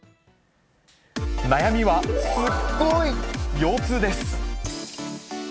悩みはすっごい腰痛です。